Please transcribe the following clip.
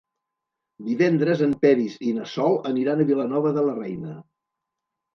Divendres en Peris i na Sol aniran a Vilanova de la Reina.